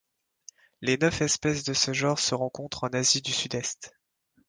Les neuf espèces de ce genre se rencontrent en Asie du Sud-Est.